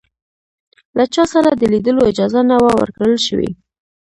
له چا سره د لیدلو اجازه نه وه ورکړل شوې.